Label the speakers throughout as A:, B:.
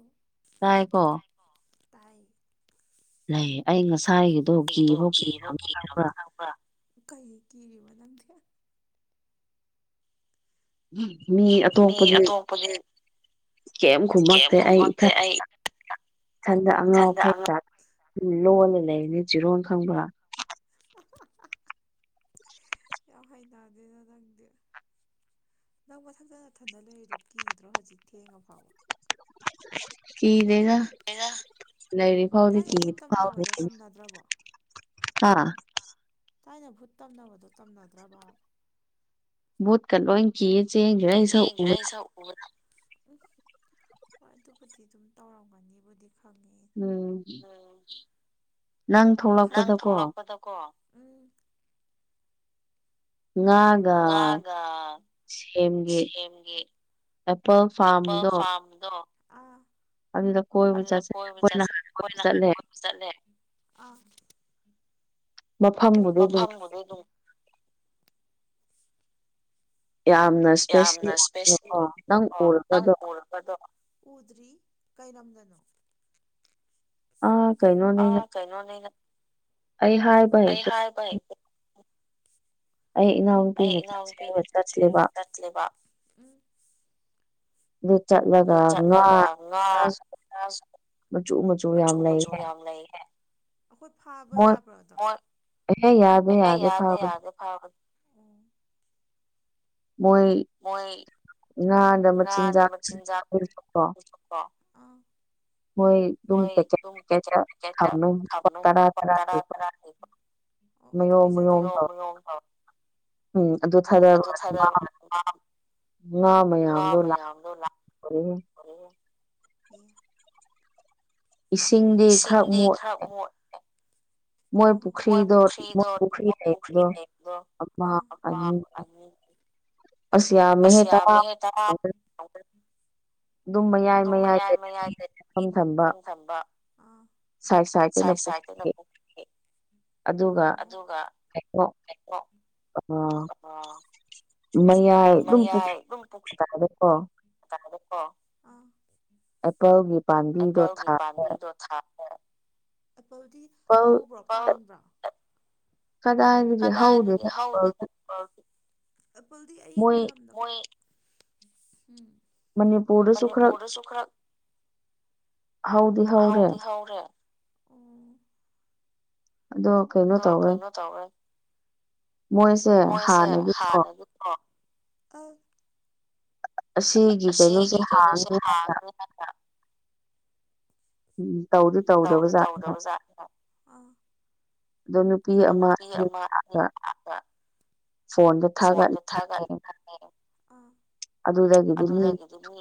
A: ꯑꯣ
B: ꯇꯥꯏꯀꯣ
A: ꯇꯥꯏ
B: ꯂꯩ ꯑꯩ ꯉꯁꯥꯏꯒꯤꯗꯣ ꯀꯤ ꯐꯥꯎ ꯀꯤꯈꯔꯕꯅꯦ ꯈꯪꯕꯔꯥ
A: ꯀꯩ ꯊꯤꯔꯤꯕ ꯂꯝꯊꯌꯥ
B: ꯃꯤ ꯑꯇꯣꯞꯄꯗꯤ ꯀꯦꯝ ꯈꯨꯝꯃꯛꯇꯦ ꯑꯩ ꯏꯊꯟ ꯏꯊꯟꯗ ꯑꯉꯥꯎ ꯑꯐꯩ ꯒꯤ ꯇꯥꯏꯞ ꯎ ꯂꯣꯜꯂ ꯂꯩꯅꯦ ꯆꯤꯔꯣꯟ ꯈꯪꯕ꯭ꯔꯥ
A: [unintelligible] ꯌꯥꯝ ꯍꯩꯅꯗꯦꯅ ꯅꯪꯗꯤ ꯅꯪ ꯃꯊꯛꯛꯇ ꯅꯊꯟꯗ ꯂꯩꯔꯤꯗꯣ ꯀꯤꯗ꯭ꯔꯣ ꯍꯧꯖꯤꯛ ꯊꯦꯡꯉ ꯐꯥꯎꯕ
B: ꯀꯤꯗꯦꯗ ꯂꯩꫪꯤ ꯐꯥꯎꯗꯤ ꯀꯤ ꯐꯥꯎꯗꯦ ꯍꯥ
A: ꯊꯥꯏꯅ ꯚꯨꯠ ꯇꯝꯅꯕꯗꯣ ꯇꯝꯅꯗ꯭ꯔꯕ
B: ꯚꯨꯠꯀ ꯂꯣꯏ ꯀꯤꯔ ꯆꯦꯟꯒ꯭ꯔꯦ ꯑꯩꯁꯛ ꯎꯕꯗ
A: [unintelligible] ꯎꯝ ꯍꯣꯏ ꯑꯗꯨꯕꯨꯗꯤ ꯑꯗꯨꯝ ꯇꯧꯔꯝꯒꯅꯤꯕꯨꯗꯤ ꯎꯝ ꯅꯪ ꯊꯣꯛꯂꯛꯄꯗꯀꯣ
B: ꯉꯥꯒ ꯁꯦꯝꯒꯦ ꯑꯦꯄꯜ ꯐꯥꯔꯝꯗꯣ
A: ꯑꯗꯨꯗ ꯀꯣꯏꯕ ꯆꯠꯁꯦ ꯑꯩꯈꯣꯏ ꯅꯥꯍꯥꯟ ꯀꯣꯏꯕ ꯆꯠꯂꯦ
B: ꯃꯐꯝꯕꯨꯗꯤ ꯑꯗꯨꯝ
A: ꯃꯗ ꯑꯗꯨ
B: ꯌꯥꯝꯅ
A: ꯌꯥꯝꯅ ꯏꯁꯄꯦꯁꯤ ꯑꯣꯏꯕ ꯑꯣ ꯅꯪ ꯎꯔ ꯎꯗ꯭ꯔꯤ ꯀꯩ ꯂꯝꯗꯅꯣ
B: ꯑꯥ ꯀꯩꯅꯣꯅꯤꯅ ꯑꯩ ꯍꯥꯏ
A: ꯑꯩ ꯍꯥꯏꯥꯕ ꯍꯩ
B: ꯑꯩ ꯏꯅꯥꯎꯨꯄꯤꯅ ꯆꯠꯁꯦ ꯍꯥꯏꯕ ꯆꯠꯂꯤꯕ
A: [unintelligible] ꯂꯨ ꯆꯠꯂꯒ ꯉꯥ ꯈꯔꯁꯨ ꯃꯆꯨ ꯃꯆꯨ ꯌꯥꯝ ꯂꯩ ꯍꯦ ꯑꯩꯈꯣꯏ ꯐꯥꯕ ꯌꯥꯕ꯭ꫪ ꯑꯗꯣ ꯌꯥꯗꯦ ꯌꯥꯗꯦ ꯐꯥꯕ
B: ꯃꯣꯏ ꯉꯥꯗ ꯃꯆꯤꯟꯖꯥꯛ ꯀꯣ ꯃꯣꯏ
A: ꯃꯣꯏ ꯑꯗꯨꯝ ꯄꯆꯠ ꯄꯆꯠꯇ ꯊꯅ ꯇꯔꯥ ꯇꯔꯥ ꯂꯩꯕ ꯑꯣ ꯑꯗꯨ ꯄꯤꯖꯗ ꯃꯌꯣꯝ ꯃꯌꯣꯝ ꯇꯩꯔ
B: ꯎꯝ ꯑꯗꯨ ꯊꯔ ꯉ ꯃꯌꯥꯝꯗꯣ ꯂꯥꯛ
A: [unintelligible]
B: ꯏꯁꯤꯡꯗꯤ ꯈꯔ ꯃꯣꯠ
A: ꯃꯣꯠ
B: ꯃꯣꯏ ꯄꯨꯈ꯭ꯔꯤꯗꯣ ꯃꯣꯏ ꯄꯨꯈ꯭ꯔꯤ ꯂꯩꯗꯣ ꯑꯃ ꯑꯅꯤ
A: ꯑꯁ ꯃꯦꯍꯇꯥ ꯎꯝ ꯑꯗꯨꯝ ꯃꯌꯥꯏ ꯃꯌꯥꯏ ꯀ ꯃꯐꯝ ꯊꯝꯕ ꯎ ꯁꯥꯏ ꯁꯥꯏꯗꯨꯅꯦ ꯑꯗꯨꯒ ꯀꯣ
B: ꯑꯣ ꯃꯌꯥꯏ ꯑꯗꯨꯝ ꯄꯨꯈꯤ ꯃꯇꯥꯏꯗꯀꯣ ꯑꯥꯞꯂ ꯒꯨꯝꯕ
A: ꯑꯦꯄꯜꯒꯤ ꯄꯥꯝꯕꯤꯗꯣ ꯊꯥ ꯑꯦꯄꯜꯗꯤ ꯍꯧꯕ꯭ꯔꯣ ꯄꯥꯟꯕ꯭ꯔꯣ
B: ꯀꯗꯥ
A: ꯀꯗꯥꯏꯒꯤ ꯍ ꯍꯧꯗꯗ ꯑꯦꯄꯜꯗꯤ ꯑꯌꯤꯡꯕ ꯂꯝꯗꯝ ꯃꯅꯤꯄꯨꯔꯗꯁꯨ ꯈꯔ
B: ꯍꯧꯗꯤ ꯍꯧꯔꯦ
A: ꯇꯧꯔꯦ
B: ꯑꯗꯣ
A: ꯑꯗꯣ ꯀꯩꯅꯣ ꯇꯧꯔꯦ ꯃꯣꯏꯁꯦ ꯍꯥꯟꯅ ꯑꯗꯨꯀꯣ
B: ꯑꯁꯤꯒꯤ ꯀꯩꯅꯣꯁꯦ ꯍꯥꯡꯅꯤ ꯍꯥꯏꯅ ꯎꯝ ꯇꯧꯗꯤ ꯇꯧꯗꯕꯖꯥꯠꯅꯤ ꯑꯗꯣ ꯅꯨꯄꯤ ꯑꯃ ꯑꯅꯤ ꯂꯥꯛꯑꯒ ꯐꯣꯟꯗ ꯊꯥꯒꯠ
A: [unintelligible] ꯑ ꯑꯗꯨꯗꯒꯤꯗꯤ ꯃꯤ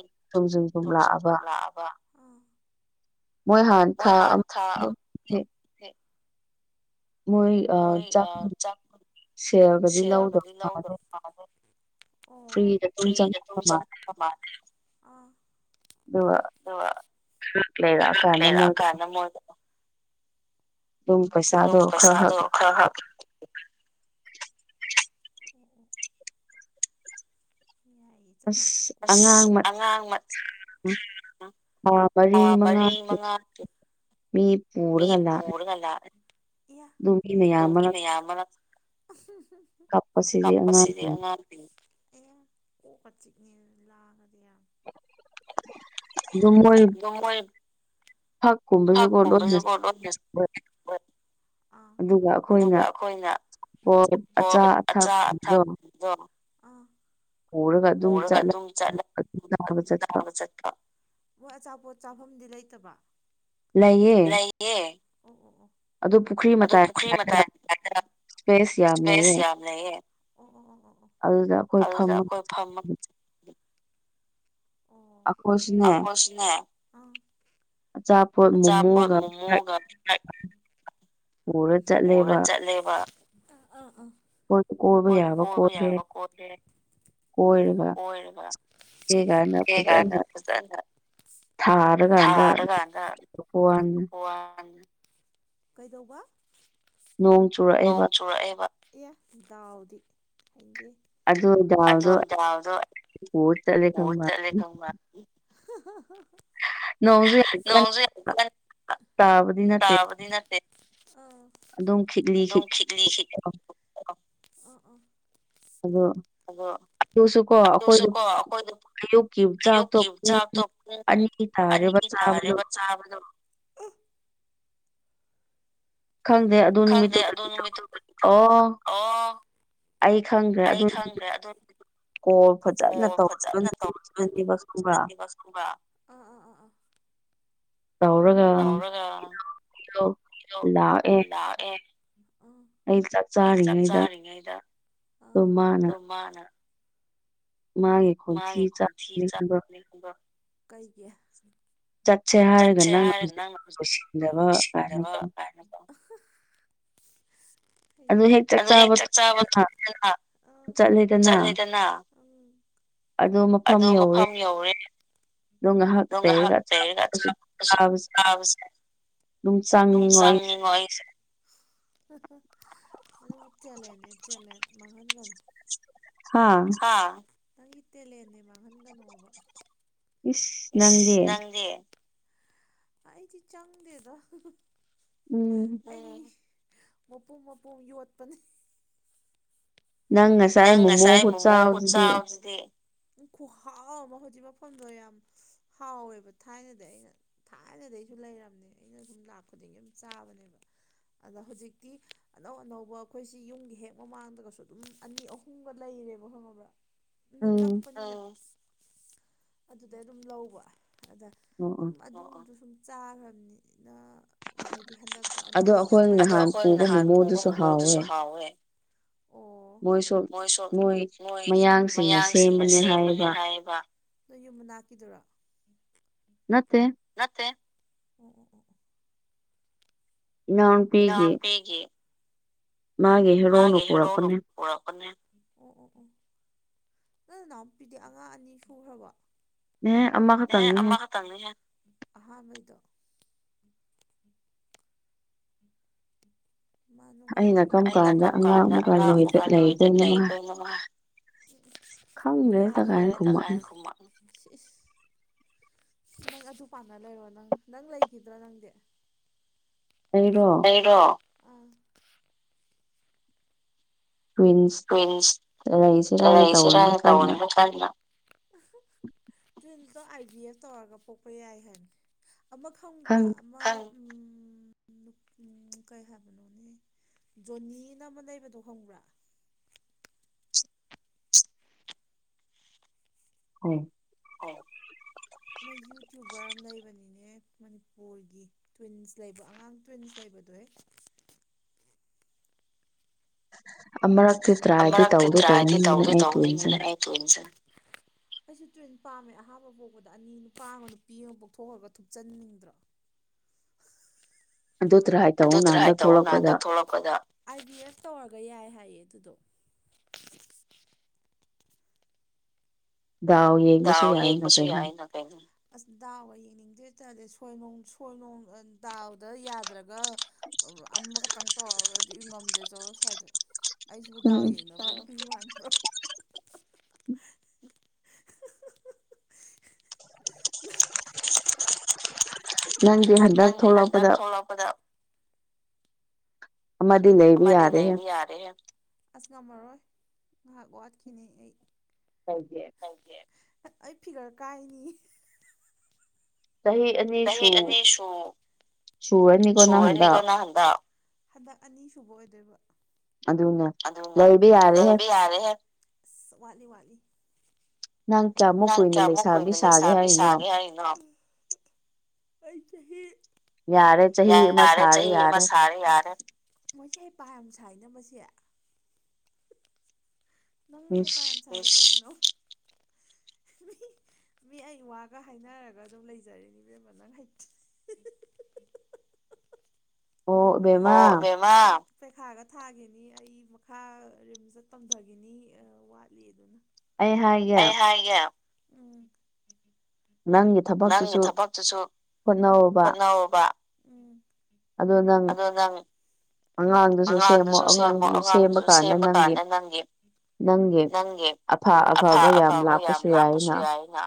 A: ꯊꯨꯝ ꯁꯨꯝ ꯊꯨꯝ ꯂꯥꯛꯑꯕ ꯑꯥ ꯃꯣꯏ ꯍꯥꯟꯅ ꯊꯥ ꯑꯝ ꯃꯣꯏ ꯑꯥ ꯆꯥꯛ ꯁꯦꯜꯒꯗꯤ ꯂꯧꯗꯕ ꯃꯥꯜꯂꯦ [unintelligible] [unintelligible]
B: ꯑꯗꯨꯝ ꯄꯩꯁꯥꯗꯣ ꯈꯔ ꯈꯪ
A: [unintelligible] ꯑꯁ ꯑꯉꯥꯡ ꯃꯆꯥ ꯑ ꯃꯔꯤ ꯃꯉꯦ
B: ꯃꯤ
A: ꯃꯤ ꯄꯔꯒꯂ ꯃꯌꯥꯝ ꯑꯃ ꯀꯄꯁꯤꯗꯤ ꯉ ꯑꯦ ꯀꯣꯛ ꯆꯤꯅꯦ ꯂꯥꯛꯒꯗ ꯌꯥꯝ
B: ꯑꯗꯨ ꯃꯣꯏ
A: ꯑꯃꯣꯏ
B: ꯐꯛ ꯀꯨꯝꯕꯖꯨꯀꯣ ꯂꯣꯏꯅ
A: ꯑ [unintelligible] ꯍ [unintelligible] ꯑ ꯑꯗꯨꯒ ꯑꯩꯈꯣꯏꯅ ꯄꯣꯠ ꯑꯆꯥ ꯑꯊꯛꯗꯣ ꯄꯨꯨꯔꯒ ꯑꯗꯨꯝ ꯆꯠꯂꯦ [unintelligible] ꯃꯣꯏ ꯑꯆꯥꯄꯣꯠ ꯆꯥꯐꯝꯗꯤ ꯂꯩꯇꯕ
B: ꯂꯩꯌꯦ
A: ꯑꯦ ꯎꯝ ꯎꯝ ꯎꯝ ꯑꯗꯨ ꯄꯨꯈ꯭ꯔꯤ ꯃꯇꯥꯏ ꯇꯥꯏꯗ ꯏꯁꯄꯦꯁ ꯌꯥꯝ ꯂꯩꯌꯦ ꯎꯝ ꯎꯝ ꯎꯝ ꯎꯝ ꯎꯝ ꯑꯗꯨꯗ ꯑꯩꯈꯣꯏ ꯐꯝꯃ ꯑꯝ ꯑꯩꯈꯣꯁꯨꯅꯦ ꯑꯝ
B: ꯑꯆꯥꯄꯣꯠ ꯃꯣꯃꯣꯒ [unintelligible]
A: ꯄꯨꯔ ꯆꯠꯂꯦꯕ ꯑꯥ ꯑꯥ
B: ꯑꯩꯣꯏ ꯀꯣꯏꯕ ꯌꯥꯕ ꯀꯣꯏꯔꯦ ꯀꯣꯏꯔꯦ [unintelligible] ꯐꯖꯅ ꯊꯥ ꯂꯒꯥꯟꯗ [unintelligible]
A: ꯋꯥꯟ ꯀꯩꯗꯧꯕ ꯅꯣꯡ ꯆꯨꯔꯛꯑꯦꯕ ꯑꯦ ꯗꯥꯎꯗꯤ ꯍꯩꯟꯗꯦ
B: ꯑꯗꯨ ꯗꯥꯎꯗꯣ ꯄꯨꯔ ꯆꯠꯂꯦ ꯈꯪꯕ
A: [unintelligible] [inaudible] ꯅꯣꯡꯁꯨ ꯌꯥꯝ ꯀꯟ [unintelligible] ꯇꯥꯥꯕꯗꯤ ꯅꯠꯇꯦ ꯑ ꯑꯗꯨꯝ ꯈꯤꯛꯂꯤ ꯈꯤꯛꯂꯤ
B: [inaudible]
A: ꯑ ꯑ
B: ꯑꯗꯨꯣ
A: ꯑꯗꯣ ꯑꯗꯨꯁꯨ ꯀꯣ ꯑꯩꯈꯣꯏꯗ ꯑꯌꯨꯛꯀꯤ ꯆꯥꯛꯇꯣ ꯄꯨꯡ ꯑꯅꯤ ꯇꯥꯔꯦꯕ ꯆꯥꯕꯗꯣ
B: ꯈꯪꯗꯦ
A: ꯈꯪꯗꯦ ꯑꯗꯨ ꯅꯨꯃꯤꯠꯇꯨꯗꯗꯤ ꯑꯣ ꯑꯩ ꯈꯪꯒ꯭ꯔꯦ ꯑꯗꯨ ꯀꯣꯜ ꯐꯖꯅ ꯇꯧ [unintelligible] ꯑ ꯑ
B: ꯇꯧꯔꯒ [unintelligible] ꯂꯥꯛꯑꯦ
A: ꯑꯦ
B: ꯑꯩ ꯆꯥꯛ ꯆꯥꯔꯤꯉꯩꯗ ꯑꯣ ꯃꯥꯅ
A: ꯃꯥꯒꯤ ꯈꯣꯡꯊꯤ ꯆꯥꯛꯅꯦꯒꯕ ꯀꯩꯒꯤ ꯆꯠꯁꯦ ꯍꯥꯏꯔꯦ ꯅꯪꯅ ꯍꯧꯖꯤꯛ ꯂꯗꯕ ꯍꯥꯏꯅ
B: ꯑꯗꯨ ꯍꯦꯛ ꯆꯥꯛ ꯆꯥꯕ ꯇꯗꯅ ꯆꯠꯂꯤꯗꯅ ꯑꯗꯣ
A: ꯑꯗꯣ ꯃꯐꯝ ꯌꯧꯔꯦ ꯑꯗꯨ ꯉꯥꯏꯍꯥꯛ ꯂꯩꯔꯒ ꯆꯥꯕꯁꯨ ꯆꯥꯕꯁꯦ ꯑꯗꯨꯝ ꯆꯥꯅꯤꯡ ꯑꯣ ꯑꯩꯁꯦ [unintelligible] ꯑꯗꯨ ꯇꯦꯂꯦꯟꯅꯦ ꯇꯦꯂꯦꯟꯅꯦ ꯃꯥꯡꯍꯟꯒꯅꯨ
B: ꯍꯥꯥ
A: ꯍꯥ ꯅꯪꯒꯤ ꯇꯦꯂꯦꯜ ꯅꯦꯕ ꯃꯥꯡꯍꯟꯒꯅꯣꯕ ꯏꯁꯁ ꯅꯪꯗꯦ ꯑꯩꯗꯤ ꯆꯪꯗꯦꯗ
B: ꯎꯝ
A: ꯑꯩ ꯃꯄꯨꯝ ꯃꯄꯨꯝ ꯌꯣꯠꯄꯅ ꯅꯪ ꯉꯁꯥꯏ ꯃꯣꯃꯣ ꯈꯨꯠꯆꯁꯤꯗꯤꯥꯎ ꯑꯃ ꯍꯧꯖꯤꯛ ꯃꯗꯣ ꯌꯥꯝ ꯍꯥꯎꯋꯦꯕ ꯊꯥꯏꯅꯗꯤ ꯑꯩꯅ ꯊꯥꯏꯅꯗꯒꯤꯩꯁꯨ ꯂꯩꯔꯕꯅꯦ ꯑꯩꯅ ꯁꯨꯝ ꯂꯥꯛ ꯈꯨꯗꯤꯡꯒꯤ ꯑꯗꯨꯝ ꯆꯥꯕꯅꯦꯕ ꯑꯗ ꯍꯧꯖꯤꯛꯇꯤ ꯑꯅꯧ ꯑꯅꯧꯕ ꯑꯩꯈꯣꯏꯁꯤ ꯌꯨꯝꯒꯤ ꯍꯦꯛ ꯃꯃꯥꯡꯗꯒꯁꯨ ꯑꯗꯨꯝ ꯑꯅꯤ ꯑꯍꯨꯝꯒ ꯂꯩꯔꯦꯕ ꯈꯪꯉꯕ꯭ꯔꯥ ꯑꯗꯨ ꯅꯛꯄ ꯑꯗꯨꯗꯩ ꯑꯗꯨꯝ ꯂꯧꯕ ꯑꯗ ꯁꯨꯝ ꯑꯗꯨ ꯁꯨꯝ ꯆꯥꯈ꯭ꯔꯕꯅꯤꯅ ꯍꯥꯏꯗꯤ ꯑꯗꯣ ꯑꯩꯈꯣꯏꯅ ꯅꯍꯥꯟ ꯄꯨꯕ ꯃꯨꯝꯃꯨꯗꯨꯁꯨ ꯍꯥꯎꯋꯦ ꯃꯣꯏꯁꯨ ꯃꯣꯏ ꯃꯌꯥꯡꯁꯤꯡꯅ ꯁꯦꯝꯕꯅꯤ ꯍꯥꯏꯕ ꯅꯣꯏ ꯌꯨꯝ ꯃꯅꯥꯛꯀꯤꯗꯨꯔꯥ
B: ꯃꯠꯇꯦ
A: ꯃꯠꯇꯦ ꯂꯣꯡ ꯄꯤꯒ
B: ꯃꯥꯒꯤ ꯍꯦꯔꯣꯅꯨ ꯄꯨꯔꯛꯄꯅꯦ
A: ꯄꯨꯔ ꯀꯅꯦ ꯅ ꯅꯅꯥꯎꯄꯤꯗꯤ ꯑꯉꯥꯡ ꯑꯅꯤ ꯁꯨꯈ꯭ꯔꯕ
B: ꯑꯦꯍꯦ ꯑꯃ ꯈꯛꯇꯪꯅꯤꯍꯦ
A: ꯇꯪꯉ ꯑꯍꯥꯟꯕ ꯃꯩꯗꯣ ꯅꯨꯡꯉꯥꯏ ꯑꯩꯅ ꯀꯔꯝ ꯀꯥꯟꯗ ꯑꯉꯥꯡ ꯑꯃꯀ ꯂꯩꯗꯣꯏꯅꯣ ꯋꯥ
B: ꯈꯪꯗ꯭ꯔꯦ ꯇꯀꯥꯏꯅ ꯈꯨꯝꯃꯛꯅ
A: ꯀꯃꯅ ꯅꯪ ꯑꯗꯨ ꯄꯥꯝꯅ ꯂꯩꯔꯣ ꯅꯪ ꯅꯪ ꯂꯩꯈꯤꯗ꯭ꯔꯣ ꯅꯪꯗꯤ
B: ꯑꯩꯔꯣ
A: ꯔꯣ ꯀ꯭ꯋꯤꯟꯁꯇ ꯂꯩꯁꯤꯔꯥꯅ ꯇꯧꯋꯅ ꯈꯅ ꯇꯟꯇꯣ ꯑꯥꯏ ꯕꯤ ꯑꯦꯁ ꯇꯧꯔꯒ ꯄꯣꯛꯄ ꯌꯥꯏ ꯍꯥꯏꯟ ꯑꯃ ꯈꯪꯕ꯭ꯔꯥ ꯑꯃ
B: [inaudible]
A: ꯎꯝ ꯀꯩ ꯍꯥꯏꯕꯅꯣꯅꯦ ꯖꯣꯅꯤꯅ ꯑꯃ ꯂꯩꯕꯗꯣ ꯍꯪꯕ꯭ꯔꯥ
B: ꯑꯣ
A: ꯑꯣ ꯅ ꯌꯨꯇ꯭ꯨꯕ ꯂꯩꯕꯅꯤꯅꯦ ꯃꯅꯤꯄꯨꯔꯒꯤ ꯇ꯭ꯋꯤꯟꯁ ꯂꯩꯕ ꯑꯉꯥꯡ ꯇ꯭ꯋꯤꯟꯁ ꯂꯩꯕꯗꯣ
B: ꯑꯃꯛꯇꯤ ꯇ꯭ꯔꯥꯏꯗꯤ ꯇꯧꯗꯤꯇꯧꯅꯤꯡꯕꯅꯦ ꯑꯩ ꯇꯧꯁꯦ
A: ꯁ [inaudible] ꯑꯩꯁꯨ ꯇꯨ꯭ꯋꯤꯟ ꯄꯥꯝꯃꯦ ꯑꯍꯥꯥꯟꯕ ꯄꯣꯛꯕꯗ ꯑꯅꯤ ꯅꯨꯄꯥ ꯑꯃ ꯅꯨꯄꯤ ꯑꯃ ꯄꯣꯛꯊꯣꯛꯑꯒ ꯊꯨꯞꯆꯟꯅꯤꯡꯗ꯭ꯔꯣ
B: ꯑꯗꯨ ꯗ꯭ꯔꯥꯢ
A: ꯑꯗꯨ ꯇ꯭ꯔꯥꯢ ꯇꯧꯅ ꯍꯟꯗꯛ ꯊꯣꯛꯂꯛꯄꯗ ꯑꯥꯏꯄꯤ ꯑꯦꯁ ꯇꯧꯔꯒ ꯌꯥꯏ ꯍꯥꯏꯌꯦ ꯑꯗꯨꯗꯣ
B: ꯗꯥꯎ ꯋꯤ
A: ꯗꯥꯎ ꯌꯦꯡꯕꯁꯨ ꯌꯥꯏꯅ ꯀꯩꯅꯣ ꯑꯁ ꯗꯥꯎꯒ ꯌꯦꯡꯅꯤꯡꯗꯔꯦꯗ ꯁꯣꯢ ꯁꯣꯢ ꯅꯣꯡ ꯗꯥꯎꯗ ꯌꯥꯗ꯭ꯔꯒ ꯑꯃ ꯈꯛꯇꯪ ꯇꯧꯒꯗꯤ ꯉꯝꯗꯦꯗꯧ ꯁꯗ ꯑꯩꯁꯨꯕꯨꯗꯥꯎꯏ
B: ꯅꯪꯗꯤ ꯍꯟꯗꯛ ꯊ ꯊꯣꯛꯂꯛꯄꯗ
A: [unintelligible]
B: ꯑꯃꯗꯤ ꯂꯩꯕꯤ ꯌꯥꯔꯦ
A: ꯌꯥꯔꯦ ꯍꯥꯏ ꯑꯁ ꯉꯝꯃꯔꯣꯏ ꯉꯥꯏꯍꯥꯛ ꯋꯥꯠꯈꯤꯅꯤ ꯑꯩ
B: ꯀꯩꯒꯤ
A: ꯑꯩ ꯐꯤꯒꯔ ꯀꯥꯏꯅꯤꯌꯦ
B: ꯆꯍꯤ ꯑꯅꯤ
A: ꯆꯍꯤ ꯑꯅꯤ ꯁꯨ ꯁꯨꯔꯅꯤꯀꯣ ꯅꯪ ꯍꯥꯟꯗꯛ ꯍꯟꯗꯛ ꯑꯅꯤ ꯁꯨꯕ ꯑꯣꯏꯗꯣꯏꯕ ꯑꯗꯨꯅꯦ ꯂꯩꯕ ꯌꯥꯔꯦꯍꯦ ꯑꯁ ꯋꯥꯠꯂꯤ ꯋꯥꯠꯂꯤ
B: ꯅꯪ ꯖꯝ
A: ꯅꯪ ꯀꯌꯥꯃꯨꯛ ꯀꯨꯏꯅ ꯂꯩꯁꯥꯕꯤ ꯁꯥꯒꯦ ꯍꯥꯏꯔꯤꯅꯣ ꯌꯥꯔꯦ ꯆꯍꯤ ꯑꯃ ꯁꯥꯔꯦ ꯌꯥꯔꯦ ꯃꯣꯏꯁꯦ ꯍꯩꯄꯥ ꯌꯥꯝ ꯁꯥꯏꯅ ꯃꯁꯤ ꯅꯪ ꯍꯩꯄ ꯌꯥꯝ ꯁꯥꯢ ꯃꯤ ꯑꯩ ꯋꯥꯒ ꯍꯥꯥꯖꯔꯔꯣꯢ ꯑꯗꯨꯝ ꯂꯩꯖꯔꯒꯦ ꯏꯕꯦꯃꯥ ꯅꯪ ꯍꯩꯇꯦ
B: ꯑꯣ
A: ꯑꯣ ꯕꯦꯝꯃꯥ ꯄꯩꯈꯥꯒ ꯊꯥꯒꯤꯅꯤ ꯑꯩ ꯃꯈꯥ ꯔꯤꯝꯁꯇ ꯇꯝꯊꯈꯤꯅꯤ ꯋꯥꯠꯂꯤ ꯑꯗꯨꯅ
B: ꯑꯩ ꯍꯥꯏꯒꯦ
A: ꯌꯥ ꯌꯥ [inaudible]
B: ꯅꯪꯒꯤ ꯊꯕꯛꯇꯨꯁꯨ ꯍꯣꯠꯅꯧꯕ
A: ꯍꯣꯠꯅꯧꯕ
B: ꯑꯗꯨ ꯅꯪ
A: ꯑꯉꯥꯡꯗꯨꯁꯨ ꯁꯦꯝꯃꯣ ꯑꯉꯥꯡꯗꯨꯁꯨ ꯁꯦꯝꯕ ꯀꯥꯟꯗ ꯅꯪꯒꯤ ꯅꯪꯒꯤ ꯑꯐ ꯑꯐꯕ ꯌꯥꯝ ꯂꯥꯛꯄꯁꯨ ꯌꯥꯏꯅ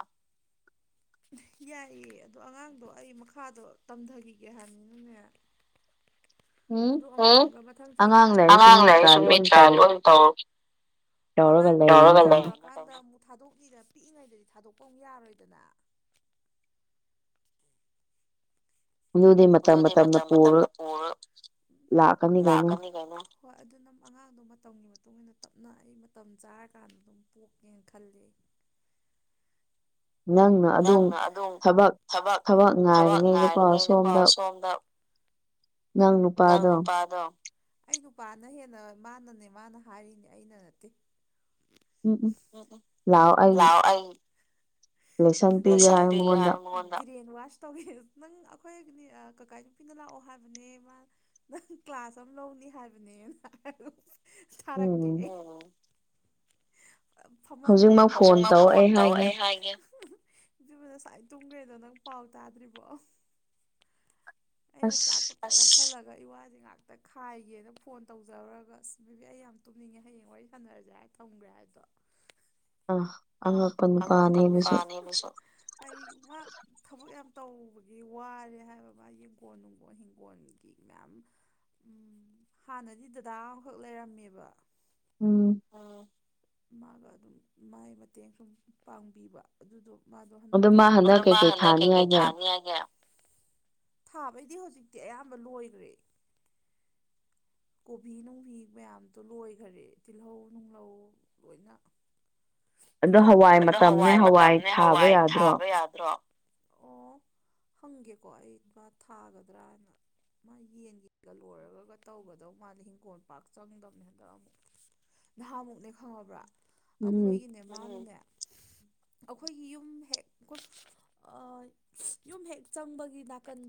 A: ꯌꯥꯏꯌꯦ ꯑꯗꯣ ꯑꯉꯥꯡꯗꯣ ꯑꯩ ꯃꯈꯥꯗꯣ ꯇꯝꯊꯈꯤꯒꯦ ꯍꯥꯏꯕꯅꯤꯅꯅꯦ ꯎꯉꯥꯡ ꯁꯃꯤ꯭ꯔꯥꯣꯣ [inaudible] ꯍꯣ ꯑꯉꯥꯡꯗꯣ ꯆꯥꯎꯔꯀꯥꯟꯗ ꯑꯃꯨꯛ ꯊꯥꯗꯣꯛꯕꯤꯔꯗꯤ ꯑꯩ ꯄꯤꯛꯏ ꯉꯩꯗꯗꯤ ꯊꯥꯗꯣꯛꯄ ꯑꯃꯨꯛ ꯌꯥꯔꯣꯏꯗꯅ ꯑꯗꯨꯗꯤ ꯃꯇꯝ ꯃꯇꯝꯅ ꯄꯨꯔ ꯂꯥꯛꯀꯅꯤ ꯀꯩꯅꯣ ꯍꯣꯏ ꯑꯗꯨꯅ ꯑꯉꯥꯡꯗꯣ ꯃꯇꯝꯒꯤ ꯃꯇꯨꯡ ꯏꯟꯅ ꯇꯞꯅ ꯑꯩ ꯃꯇꯝ ꯆꯥꯔꯀꯥꯟꯗ ꯑꯗꯨꯝ ꯄꯣꯛꯀꯦꯅ ꯈꯜꯂꯦ
B: ꯅꯪꯅ ꯑꯗꯨꯝ ꯊꯕꯛ ꯊꯕꯛ ꯉꯥꯏꯔꯤꯉꯩꯗꯀꯣ ꯁꯣꯝꯗ
A: ꯅꯪ ꯅꯨꯄꯥꯗꯣ ꯑꯩ ꯅꯨꯄꯥꯅ ꯍꯦꯟꯅ ꯃꯥꯅꯅꯦ ꯃꯥꯅ ꯍꯥꯏꯔꯤꯅꯦ ꯑꯩꯅ ꯅꯠꯇꯦ ꯂꯥꯎ ꯑꯩ ꯁꯝ ꯄꯤꯒ ꯃꯉꯣꯟꯟ [inaudible] ꯇꯧꯒꯧ ꯅꯪ ꯑꯩꯈꯣꯏꯒꯤꯅꯤ ꯀꯥꯀꯥ ꯅꯨꯄꯤꯅ ꯂꯥꯛꯑꯣ ꯍꯥꯏꯕꯅꯦ ꯃꯥ ꯅꯪ ꯀ꯭ꯂꯥꯁ ꯑꯃ ꯂꯧꯅꯤ ꯍꯥꯏꯕꯅꯦꯅ ꯊꯥꯔꯛꯀꯤꯌꯦ ꯑ ꯐꯝꯃꯜꯂꯣ ꯍꯧꯖꯤꯛꯃꯛ ꯐꯣꯟ ꯇꯧ ꯑꯩ ꯍꯥꯏ ꯏꯗꯨꯕꯨ ꯅꯁꯥꯏ ꯇꯨꯝꯒ꯭ꯔꯦꯗꯣ ꯅꯪ ꯄꯥꯎ ꯇꯥꯗ꯭ꯔꯤꯕꯣ
B: ꯑꯁ
A: ꯑꯁ ꯅꯁꯤꯜꯂꯒ ꯏ ꯋꯥꯖꯦ ꯉꯥꯛꯇ ꯈꯥꯏꯒꯦꯅ ꯐꯣꯟ ꯇꯧꯖꯔꯨꯔꯒ ꯑꯁ ꯕꯦꯕꯤ ꯑꯩ ꯑꯩ ꯌꯥꯝ ꯇꯨꯝꯅꯤꯡꯉꯦ ꯍꯌꯦꯡ ꯋꯥꯔꯤ ꯁꯥꯟꯅꯔꯖꯦ ꯍꯥꯏ ꯊꯝꯒ꯭ꯔꯦ ꯍꯥꯏꯗꯣ
B: ꯑꯥ
A: ꯑ ꯑꯉꯛꯄ ꯅꯨꯄꯥꯅꯤ ꯑꯗꯨꯁꯨ ꯑꯩ ꯋꯥꯛ ꯊꯕꯛ ꯌꯥꯝ ꯇꯧꯕꯒꯤ ꯋꯥꯔꯦ ꯍꯥꯏꯕ ꯃꯥ ꯌꯦꯡꯒꯣꯟ ꯅꯨꯡꯒꯣꯜ ꯍꯤꯡꯒꯣꯟ ꯃꯌꯥꯝ ꯎꯝ ꯍꯥꯟꯅꯗꯤ ꯗꯥꯗꯥ ꯑꯃꯈꯛ ꯂꯩꯔꯝꯃꯦꯕ
B: ꯎꯝ
A: ꯃꯥꯒ ꯑꯗꯨꯝ ꯃꯥꯥꯏ ꯃꯇꯦꯡ ꯁꯨꯝ ꯄꯥꯡꯕꯤꯕ ꯑꯗꯣ ꯃꯥ ꯍꯟꯗꯛ ꯀꯩꯀꯩ ꯊꯥꯅꯤ ꯍꯥꯏꯒꯦ ꯊꯥꯕꯩꯗꯤ ꯍꯧꯖꯤꯛꯇꯤ ꯑꯌꯥꯝꯕ ꯂꯣꯏꯈ꯭ꯔꯦ ꯀꯣꯕꯤ ꯅꯨꯡꯕꯤ ꯃꯌꯥꯝꯗꯣ ꯂꯣꯏꯒꯔꯦ ꯇꯤꯜꯍꯧ ꯅꯨꯡꯂꯧ ꯂꯣꯏꯅ
B: ꯑꯗꯣ ꯍꯋꯥꯏ ꯃꯇꯝꯅꯦ ꯍꯋꯥꯏ ꯊꯥꯕ ꯌꯥꯗ꯭ꯔꯣ
A: ꯌꯥꯗ꯭ꯔꯣ
B: [inaudible]
A: ꯍꯪꯒꯦꯀꯣ ꯑꯩ ꯕ ꯊꯥꯒꯗ꯭ꯔꯅ ꯃꯥ ꯌꯦꯟꯒꯤꯒ ꯂꯣꯏꯔꯒꯒ ꯇꯧꯕꯗꯣ ꯃꯥꯜꯅ ꯍꯤꯡꯒꯣꯜ ꯄꯥꯛ ꯆꯪꯗꯝꯅꯤ ꯍꯟꯗꯛ ꯑꯃꯨꯛ ꯅꯍꯥꯃꯨꯛꯅꯦ ꯈꯪꯉꯕ꯭ꯔꯥ ꯑꯩꯈꯣꯏꯒꯤꯅꯦ ꯃꯥꯅꯅꯦ ꯑꯩꯈꯣꯏꯒꯤ ꯌꯨꯝ ꯍꯦꯛ ꯑꯩꯀꯣꯏ ꯑ ꯌꯨꯝ ꯍꯦꯛ ꯆꯪꯕꯒꯤ ꯅꯥꯀꯟꯗ